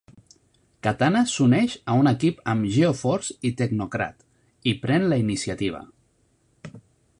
Katana s'uneix a un equip amb Geo-Force i Technocrat, i pren la iniciativa.